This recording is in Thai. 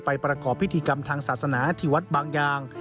ประกอบพิธีกรรมทางศาสนาที่วัดบางยาง